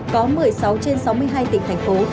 có một mươi sáu trên sáu mươi hai tỉnh thành phố